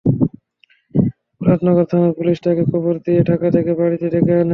মুরাদনগর থানার পুলিশ তাঁকে খবর দিয়ে ঢাকা থেকে বাড়িতে ডেকে আনে।